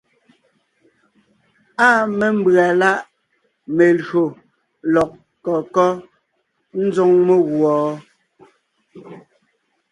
Áa mémbʉ̀a láʼ melÿò lɔgɔ kɔ́ ńzoŋ meguɔ?